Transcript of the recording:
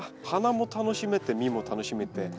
花も楽しめて実も楽しめて。